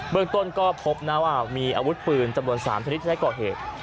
เมืองต้นก็พบนะว่ามีอาวุธปืนจำนวน๓ชนิดที่ใช้ก่อเหตุ